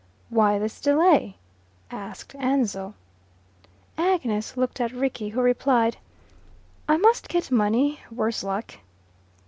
"Why this delay?" asked Ansell. Agnes looked at Rickie, who replied, "I must get money, worse luck."